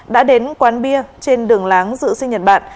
đã đến quán bia trên đường láng dự sinh nhật bản